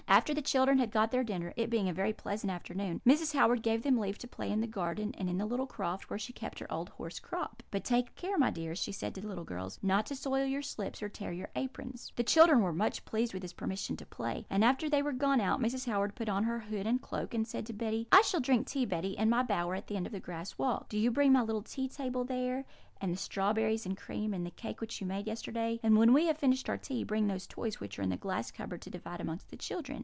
"After the children had got their dinner, it being a very pleasant afternoon, Mrs. Howard gave them leave to play in the garden, and in the little croft, where she kept her old horse Crop. "'But take care, my dears,' she said to the little girls, 'not to soil your slips or tear your aprons.' "The children were much pleased with this permission to play; and after they were gone out, Mrs. Howard put on her hood and cloak, and said to Betty: "'I shall drink tea, Betty, in my bower at the end of the grass walk; do you bring my little tea table there, and the strawberries and cream, and the cake which you made yesterday; and when we have finished our tea, bring those toys which are in the glass cupboard to divide amongst the children.'